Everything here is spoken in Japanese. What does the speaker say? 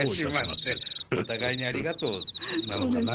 お互いにありがとうなのかな。